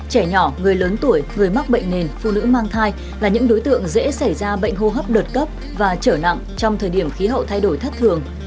trẻ nhỏ người lớn tuổi người mắc bệnh nền phụ nữ mang thai là những đối tượng dễ xảy ra bệnh hô hấp đột cấp và trở nặng trong thời điểm khí hậu thay đổi thất thường